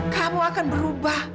kamu akan berubah